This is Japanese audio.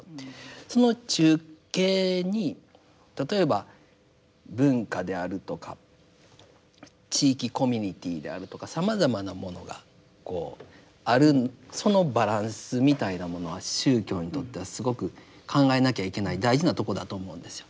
その中景に例えば文化であるとか地域コミュニティーであるとかさまざまなものがこうあるそのバランスみたいなものは宗教にとってはすごく考えなきゃいけない大事なとこだと思うんですよ。